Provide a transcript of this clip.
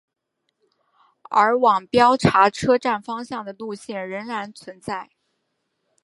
而往标茶车站方向的路线仍然存在。